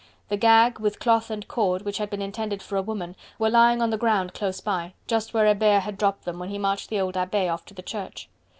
The gag, with cloth and cord, which had been intended for a woman were lying on the ground close by, just where Hebert had dropped them, when he marched the old Abbe off to the Church.